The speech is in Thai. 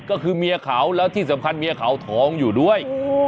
ก็คือเมียเขาแล้วที่สำคัญเมียเขาท้องอยู่ด้วย